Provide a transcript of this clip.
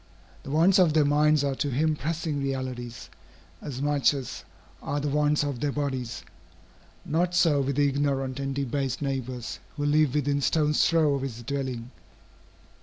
The wants of their minds are to him pressing realities, as much as are the wants of their bodies. Not so with the ignorant and debased neighbors, who live within stone's throw of his dwelling.